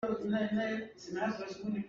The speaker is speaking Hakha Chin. Facang tun a relnak ah a ba ngaingai.